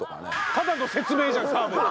ただの説明じゃん澤部の。